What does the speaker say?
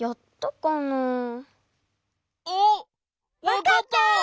わかった！